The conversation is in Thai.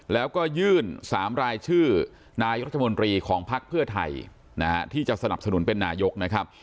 แล้วก็ยื่น๓รายชื่อนายรัฐมนตรีของภักดิ์เพื่อไทยที่จะสนับสนุนเป็นนายกนะครับ